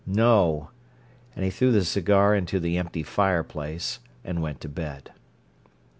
"No!" And he threw the cigar into the empty fireplace and went to bed.